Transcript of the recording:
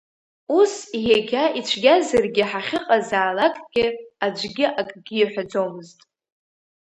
Ус егьа ицәгьазаргьы ҳахьыҟазаалакгьы, аӡәгьы акгьы иҳәаӡомызт.